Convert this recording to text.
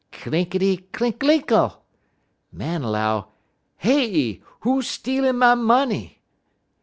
Clinkity, clinkalinkle! Man 'low: "'Hey! who stealin' my money?'